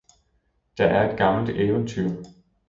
Der er et gammelt eventyr.